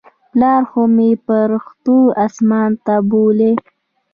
پلار خو مې پرښتو اسمان ته بولى.